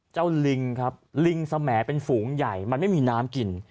เจ้าลิงครับลิงแสมแหงเป็นฝูงใหญ่มันไม่มีน้ำกลิ่น